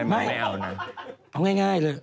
มีง่ายเลย